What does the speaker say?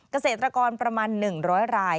เกษตรกรประมาณ๑๐๐ราย